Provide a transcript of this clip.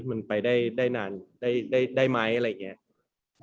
มันไปได้นานได้ไหมอะไรอย่างนี้